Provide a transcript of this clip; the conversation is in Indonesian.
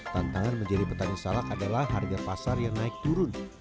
tantangan menjadi petani salak adalah harga pasar yang naik turun